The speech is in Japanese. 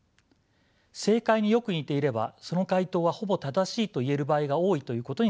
正解によく似ていればその回答はほぼ正しいといえる場合が多いということにすぎません。